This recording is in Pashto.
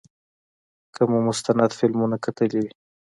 که مو مستند فلمونه کتلي وي.